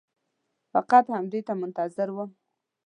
فقط همدې ته منتظر وم.